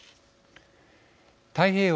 太平洋